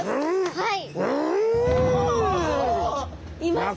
はい。